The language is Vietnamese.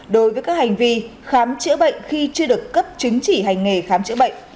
đối với các hành vi khám chữa bệnh khi chưa được cấp chứng chỉ hành nghề khám chữa bệnh